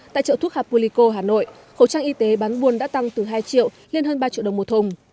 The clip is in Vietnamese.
tại chợ thuốc hapulico hà nội khẩu trang y tế bán buôn đã tăng từ hai triệu lên hơn ba triệu đồng một thùng